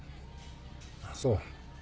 あっそう。